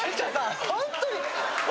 ホントに。